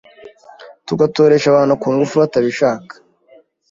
tugatoresha abantu kungufu batabishaka